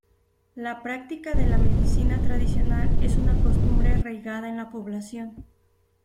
La práctica de la medicina tradicional es una costumbre arraigada en la población.